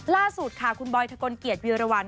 ล่าสุดค่ะคุณบอยถกลเกียจวิวรวัล